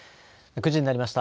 ９時になりました。